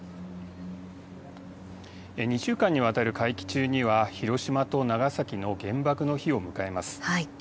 ２週間にわたる会期中には、広島と長崎の原爆の日を迎えます。